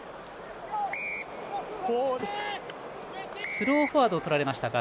スローフォワードをとられましたか。